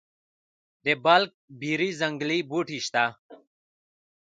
د بلک بیري ځنګلي بوټي شته؟